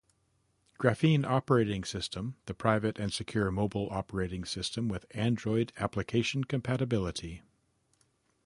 Graphene Operating System, the private and secure mobile operating system with Android application compability.